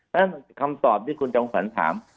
แล้วก็คำตอบที่คุณคุณจงสรรถาม